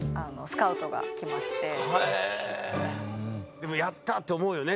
でもやった！と思うよね